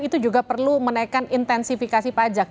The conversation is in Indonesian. itu juga perlu menaikkan intensifikasi pajak